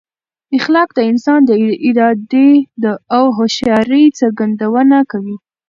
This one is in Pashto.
اخلاق د انسان د ارادې او هوښیارۍ څرګندونه کوي.